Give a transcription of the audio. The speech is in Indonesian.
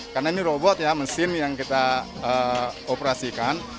karena ini robot ya mesin yang kita operasikan